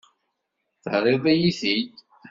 Terriḍ-iyi-t-id.